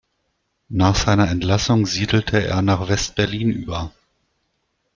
Nach seiner Entlassung siedelte er nach Westberlin über.